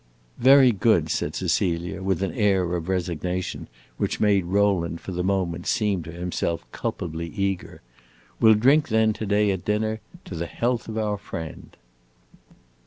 "Very good," said Cecilia, with an air of resignation which made Rowland, for the moment, seem to himself culpably eager. "We 'll drink then to day at dinner to the health of our friend."